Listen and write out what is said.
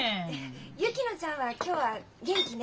薫乃ちゃんは今日は元気ね。